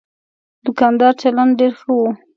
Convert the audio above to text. د دوکاندار چلند ډېر ښه و.